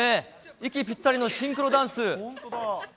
息ぴったりのシンクロダンス。